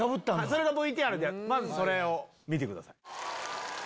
それがＶＴＲでまずそれを見てください。